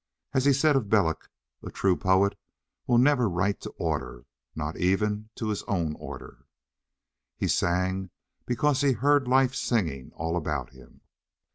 As he said of Belloc, a true poet will never write to order not even to his own order. He sang because he heard life singing all about him.